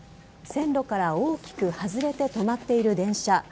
線路から大きく外れて止まっている電車。